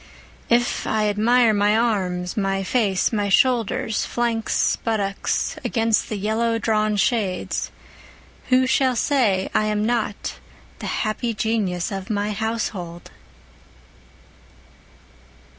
If I admire my arms, my face, my shoulders, flanks, buttocks against the yellow drawn shades, Who shall say I am not the happy genius of my household?